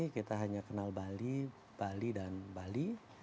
kita hanya kenal bali bali dan bali